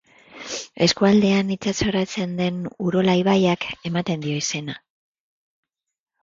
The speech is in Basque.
Eskualdean itsasoratzen den Urola ibaiak ematen dio izena.